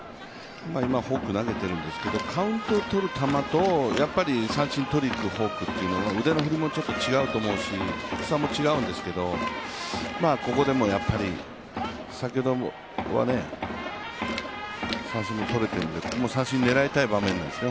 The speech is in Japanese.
今、フォークを投げているんですけど、カウントを取る球とやっぱり三振を取りにいくフォークというのは、腕の振りもちょっと違うと思うし、高さも違うんですけどここでもやっぱり先ほどは三振もとれてるんで、三振狙いたい場面ですね。